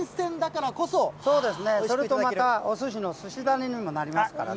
そうですね、それとまたおすしのすしだねにもなりますからね。